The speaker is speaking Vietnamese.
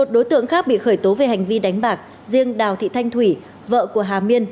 một mươi đối tượng khác bị khởi tố về hành vi đánh bạc riêng đào thị thanh thủy vợ của hà miên